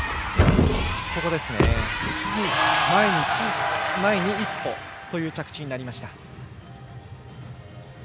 前に小さく１歩という着地になりました。